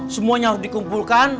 semuanya harus dikumpulkan